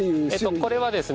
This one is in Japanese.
これはですね